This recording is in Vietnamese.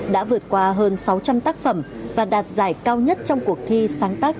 đã vượt qua hơn sáu trăm linh tác phẩm và đạt giải cao nhất trong cuộc thi sáng tác